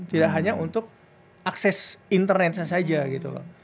tidak hanya untuk akses internetnya saja gitu loh